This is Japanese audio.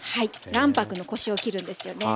卵白のコシをきるんですよね。